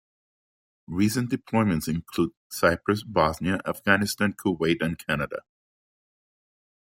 Recent deployments include to Cyprus, Bosnia, Afghanistan, Kuwait, and Canada.